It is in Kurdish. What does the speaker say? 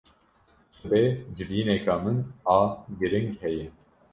Sibê civîneka min a giring heye.